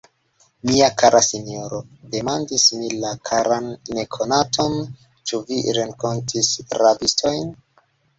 Mia kara sinjoro, demandis mi la karan nekonaton, ĉu vi renkontis rabistojn?